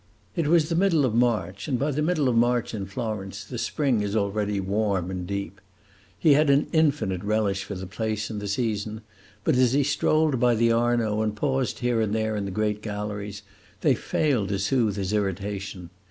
It was the middle of March, and by the middle of March in Florence the spring is already warm and deep. He had an infinite relish for the place and the season, but as he strolled by the Arno and paused here and there in the great galleries, they failed to soothe his irritation.